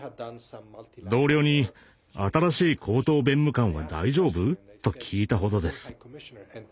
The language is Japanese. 同僚に「新しい高等弁務官は大丈夫？」と聞いたほどです。